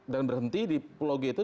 dan berhenti di pulau g itu